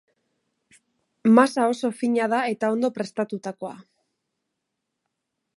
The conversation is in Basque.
Masa oso fina da eta ondo prestatutakoa.